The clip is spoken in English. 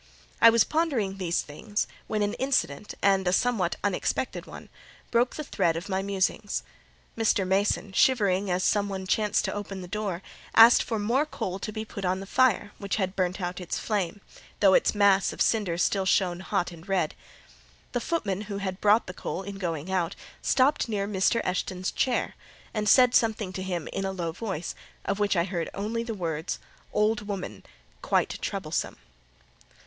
I was pondering these things, when an incident, and a somewhat unexpected one, broke the thread of my musings. Mr. Mason, shivering as some one chanced to open the door, asked for more coal to be put on the fire, which had burnt out its flame, though its mass of cinder still shone hot and red. The footman who brought the coal, in going out, stopped near Mr. Eshton's chair, and said something to him in a low voice, of which I heard only the words, "old woman,"—"quite troublesome."